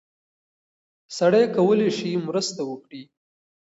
سړی کولی شي مرسته وکړي.